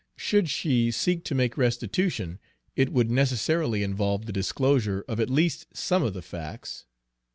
Should she seek to make restitution, it would necessarily involve the disclosure of at least some of the facts.